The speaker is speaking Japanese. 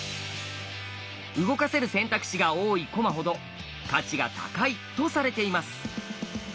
動かせる選択肢が多い駒ほど「価値が高い」とされています。